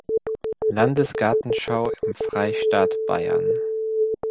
Landesgartenschau im Freistaat Bayern.